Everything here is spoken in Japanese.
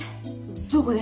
どこで？